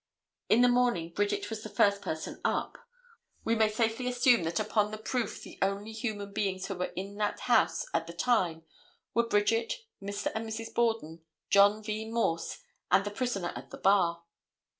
In the morning Bridget was the first person up. We may safely assume that upon the proof the only human beings who were in that house at the time were Bridget, Mr. and Mrs. Borden, John V. Morse and the prisoner at the bar.